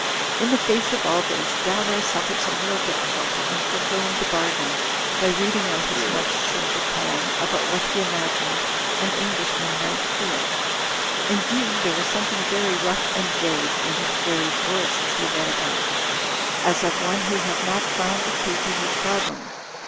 In the face of all this Dalroy suffered some real difficulty in fulfilling the bargain by reading out his much shorter poem about what he imagined an Englishman might feel. Indeed there was something very rough and vague in his very voice as he read it out; as of one who had not f otmd the key to his problem.